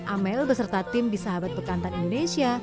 amel beserta tim bisaahabat bekantan indonesia